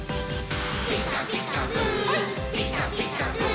「ピカピカブ！ピカピカブ！」